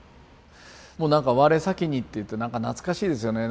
もうなんか我先にっていってなんか懐かしいですよね